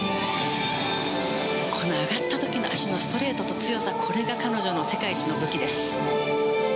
上がった時の脚のストレートと強さ、これが彼女の世界一の武器です。